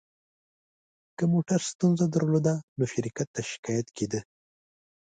که موټر ستونزه درلوده، نو شرکت ته شکایت کېده.